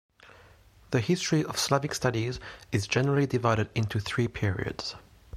The history of Slavic studies is generally divided into three periods.